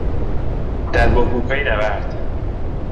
در بحبوحهی نبرد